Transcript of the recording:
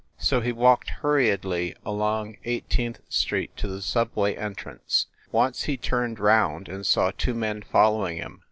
So he walked hurriedly along Eighteenth Street to the Subway entrance. Once he turned round, and saw two men following him